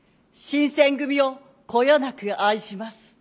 新選組をこよなく愛します。